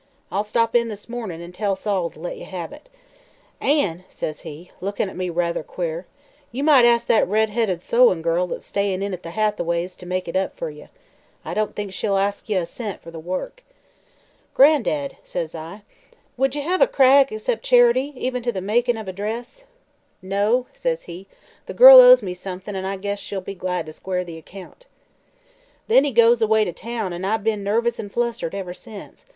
I'll stop in this mornin' an' tell Sol to let ye have it. An',' says he, lookin' at me ruther queer, 'ye might ask that redheaded sewin' girl that's stay in' at the Hathaways' to make it up fer ye. I don't think she'll ask ye a cent fer the work.' "'Gran'dad,' says I, 'would ye hev a Cragg accep' charity, even to the makin' of a dress?' "' No,' says he; 'the girl owes me somethin' an' I guess she'll be glad to square the account.' "Then he goes away to town an' I've be'n nervous an' flustered ever since.